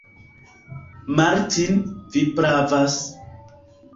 Martin, vi pravas!